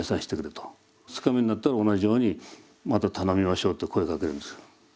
２日目になったら同じようにまた「頼みましょう」って声かけるんです。